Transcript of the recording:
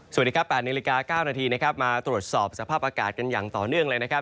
สวัสดีครับ๘นาฬิกา๙นาทีนะครับมาตรวจสอบสภาพอากาศกันอย่างต่อเนื่องเลยนะครับ